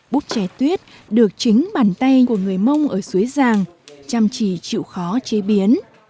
bút trè tuyết được chính bàn tay của người mông ở suối ràng chăm chỉ chịu khó chế biến